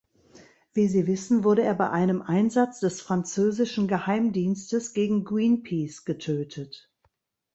Wie Sie wissen, wurde er bei einem Einsatz des französischen Geheimdienstes gegen Greenpeace getötet.